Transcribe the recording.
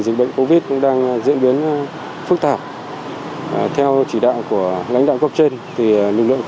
trước cổng trường đảm bảo giãn cách và đeo khẩu trang đúng theo quy định